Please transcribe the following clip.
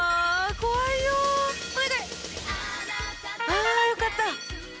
あよかった！